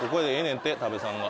んて多部さんが。